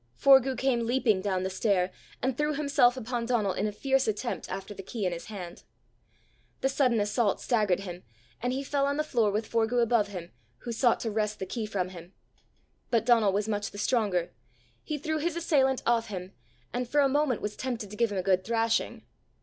Forgue came leaping down the stair, and threw himself upon Donal in a fierce attempt after the key in his hand. The sudden assault staggered him, and he fell on the floor with Forgue above him, who sought to wrest the key from him. But Donal was much the stronger; he threw his assailant off him; and for a moment was tempted to give him a good thrashing.